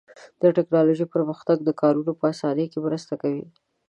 د تکنالوژۍ پرمختګ د کارونو په آسانۍ کې مرسته کوي.